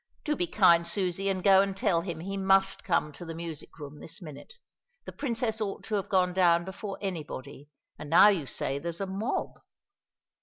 Do be kind, Susie, and go and tell him he must come to the music room this minute. The Princess ought to have gone down before anybody, and now you say there's a mob."